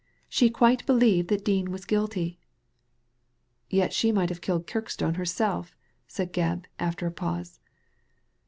She quite believed that Dean was guilty." Yet she might have killed Kirkstone herself," said Gebb, after a pause.